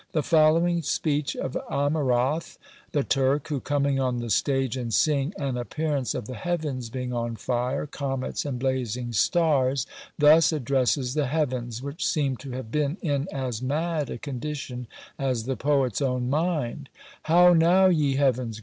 The following speech of Amurath the Turk, who coming on the stage, and seeing "an appearance of the heavens being on fire, comets and blazing stars, thus addresses the heavens," which seem to have been in as mad a condition as the poet's own mind: How now, ye heavens!